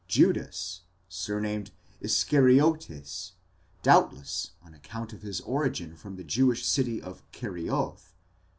Judas, surnamed Ἰσκαριώτης, doubtless on account of his origin from the Jewish city of Kerioth!